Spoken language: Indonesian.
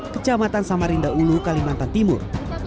kecamatan samarinda ulu kalimantan timur